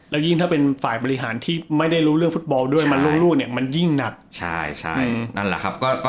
แต่ถ้าเป็นฝ่าบริหารที่ไม่ได้รู้เรื่องฟุตบอลเดินมาลูกลงเนี่ยมันยิ่งนัก